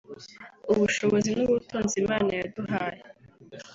ubushobozi n’ubutunzi Imana yaduhaye